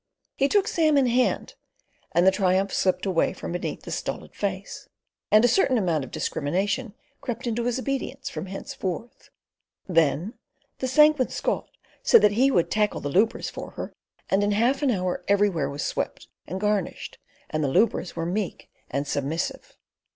He took Sam in hand, and the triumph slipped away from beneath the stolid face, and a certain amount of discrimination crept into his obedience from henceforth. Then the Sanguine Scot said that he would "tackle the lubras for her," and in half an hour everywhere was swept and garnished, and the lubras were meek and submissive.